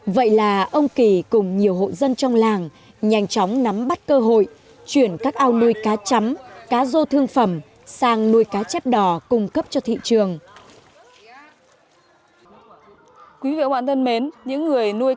vậy là ông kỳ cùng nhiều hộ dân trong làng nhanh chóng nắm bắt cơ hội chuyển các ao nuôi cá chấm cá rô thương phẩm sang nuôi cá chép đỏ cung cấp cho thị trường